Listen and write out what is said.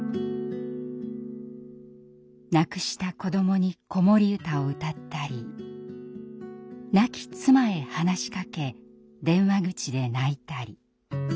亡くした子どもに子守歌を歌ったり亡き妻へ話しかけ電話口で泣いたり。